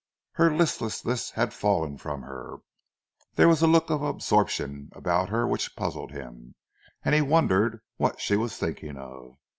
Her listlessness had fallen from her. There was a look of absorption about her which puzzled him, and he wondered what she was thinking of.